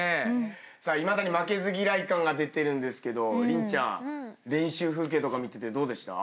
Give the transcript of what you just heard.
いまだに負けず嫌い感が出てるんですけど麟ちゃん練習風景とか見ててどうでした？